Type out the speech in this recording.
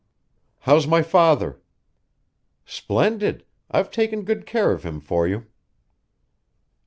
"How's my father?" "Splendid. I've taken good care of him for you."